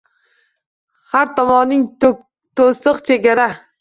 Ҳар томонинг тўсиқ, чегара